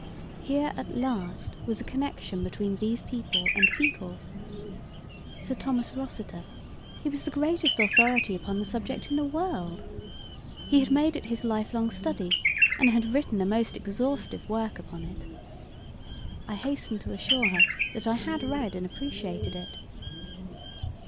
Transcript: Here, at last, was a connection between these people and beetles. Sir Thomas Rossiter he was the greatest authority upon the subject in the world. He had made it his lifelong study, and had written a most exhaustive work upon it. I hastened to assure her that I had read and appreciated it.